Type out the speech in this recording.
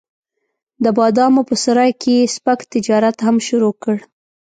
د بادامو په سرای کې یې سپک تجارت هم شروع کړ.